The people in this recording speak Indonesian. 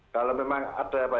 kalau memang ada